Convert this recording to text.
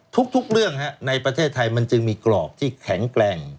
ทุกเรื่องในประเทศไทยมันจึงมีกรอบที่แข็งแกร่ง